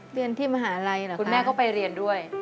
เรียนที่มหาลัยเหรอคุณแม่ก็ไปเรียนด้วย